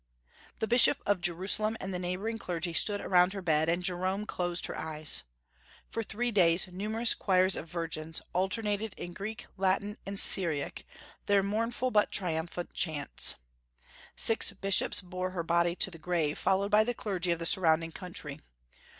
The Bishop of Jerusalem and the neighboring clergy stood around her bed, and Jerome closed her eyes. For three days numerous choirs of virgins alternated in Greek, Latin, and Syriac their mournful but triumphant chants. Six bishops bore her body to the grave, followed by the clergy of the surrounding country.